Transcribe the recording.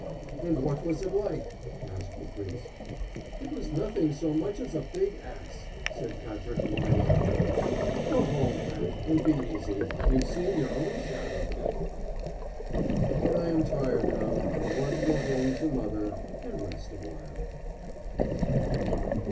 "And what was it like?" asked the priest. "It was like nothing so much as a big ass," said Patrick, wide eyed. "Go home, Pat! and be easy. You've seen your own shadow." But I am tired now and want to go home to mother and rest awhile.